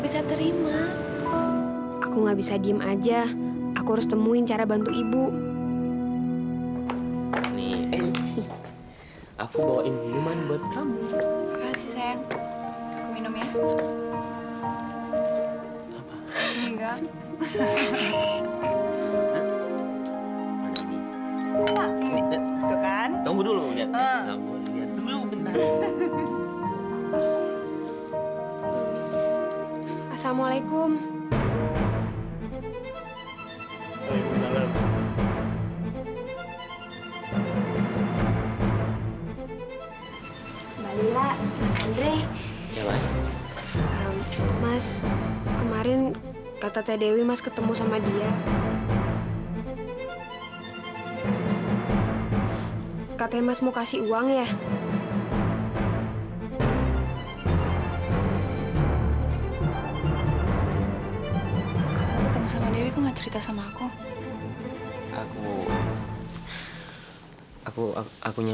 sampai jumpa di video selanjutnya